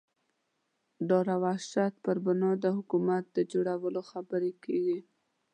ډار او وحشت پر بنا د حکومت د جوړولو خبرې کېږي.